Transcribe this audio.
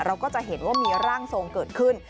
เราก็จะเห็นว่ามีร่างทรงเกิดขึ้น